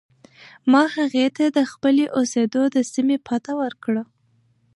ما هغې ته د خپلې اوسېدو د سیمې پته ورکړه.